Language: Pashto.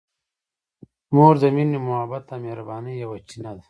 مور د مینې، محبت او مهربانۍ یوه چینه ده.